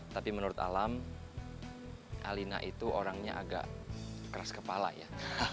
tapi menurut alam alina itu orangnya agak keras kepala ya